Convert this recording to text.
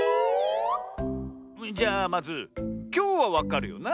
じゃあまずきょうはわかるよな？